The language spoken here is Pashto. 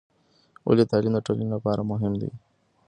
ولې تعلیم د ټولنې لپاره مهم دی؟